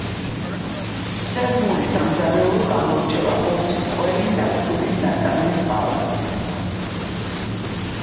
სერბული სამზარეულო გამოირჩევა ხორცის, ყველის და ფქვილის ნაწარმის ბალანსით.